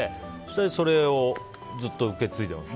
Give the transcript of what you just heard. それを、ずっと受け継いでいます。